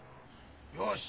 よし！